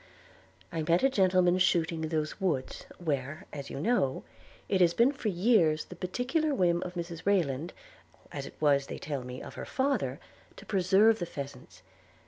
'I met a gentleman shooting in those woods, where, you know, it has been for years the particular whim of Mrs Rayland, as it was, they tell me, of her father, to preserve the pheasants.